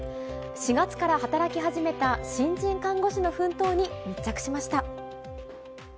４月から働き始めた新人看護師の奮闘に密着しました。